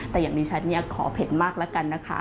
แต่อย่างดิฉันเนี่ยขอเผ็ดมากแล้วกันนะคะ